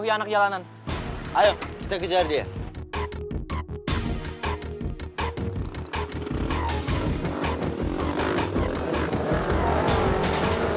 itu black cobra kan